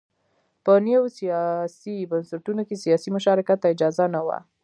په نویو سیاسي بنسټونو کې سیاسي مشارکت ته اجازه نه وه.